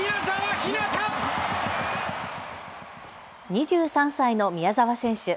２３歳の宮澤選手。